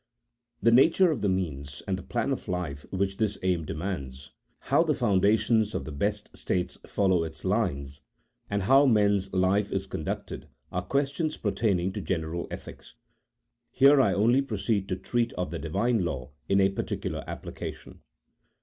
The nature of the means, and the plan of life which this aim demands, how the foundations of the best states follow its lines, and how men's life is conducted, are questions per taining to general ethics. Here I only proceed to treat of the Divine law in a particular application.